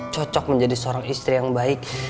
cocok menjadi seorang istri yang baik